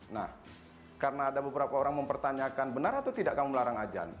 nah karena ada beberapa orang mempertanyakan benar atau tidak kamu melarang ajan